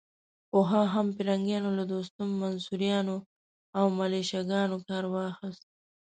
پخوا هم پرنګیانو له دوستم، منصوریانو او ملیشه ګانو کار واخيست.